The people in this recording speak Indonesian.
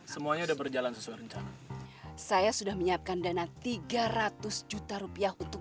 semuanya udah berjalan sesuai rencana saya sudah menyiapkan dana tiga ratus juta rupiah untuk